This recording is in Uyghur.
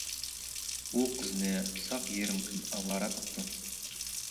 ئۇ قىزنى ساق يېرىم كۈن ئاۋارە قىپتۇ.